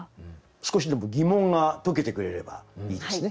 少しでも疑問が解けてくれればいいですね